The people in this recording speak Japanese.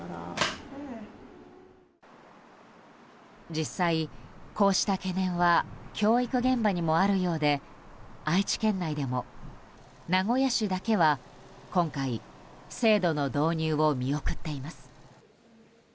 実際、こうした懸念は教育現場にもあるようで愛知県内でも名古屋市だけは今回、制度の導入を見送っています。